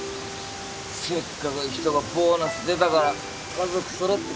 せっかく人がボーナス出たから家族揃って来たってのに。